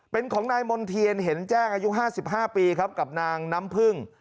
เป็นของนายมณ์เทียนเห็นแจ้งอายุ๕๕ปีครับกับนางน้ำพึ่ง